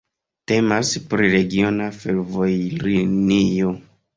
Temas pri regiona fervojlinio.